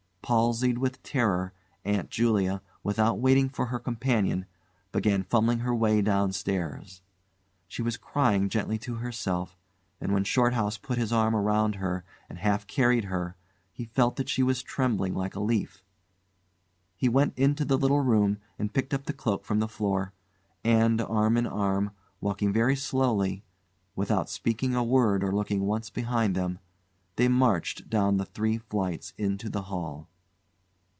Palsied with terror, Aunt Julia, without waiting for her companion, began fumbling her way downstairs; she was crying gently to herself, and when Shorthouse put his arm round her and half carried her he felt that she was trembling like a leaf. He went into the little room and picked up the cloak from the floor, and, arm in arm, walking very slowly, without speaking a word or looking once behind them, they marched down the three flights into the hall.